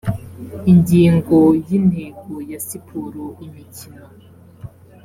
ingingo ya intego ya siporo imikino